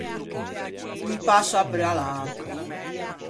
Un passo apreuo à l’atro.